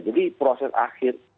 jadi proses akhir